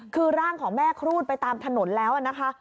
คือร่างของแม่ครูดไปตามถนนแล้วนะคะ